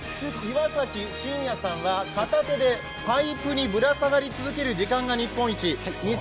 岩崎真也さんは片手で、パイプにぶら下がり続ける時間が日本一。